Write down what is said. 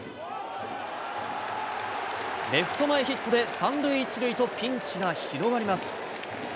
レフト前ヒットで、三塁一塁とピンチが広がります。